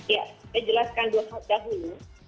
ya saya jelaskan dulu